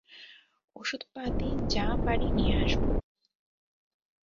ওষুধপাতি যা পারি নিয়ে আসবো।